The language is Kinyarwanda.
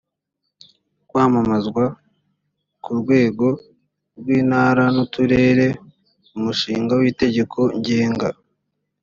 kwamamazwa ku rwego rw intara n uturere umushinga w itegeko ngenga